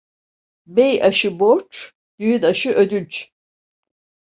Bey aşı borç, düğün aşı ödünç.